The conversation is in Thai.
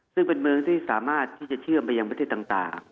ซึ่งเป็นเมืองที่สามารถที่จะเชื่อมไปยังประเทศต่าง